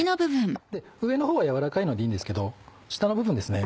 上の方は柔らかいのでいいんですけど下の部分ですね